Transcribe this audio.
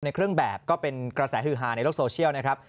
เครื่องแบบก็เป็นกระแสฮือฮาในโลกโซเชียลนะครับ